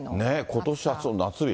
ことし初の夏日。